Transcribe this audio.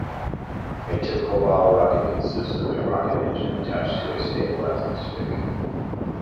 A typical bottle rocket consists of a rocket engine attached to a stabilizing stick.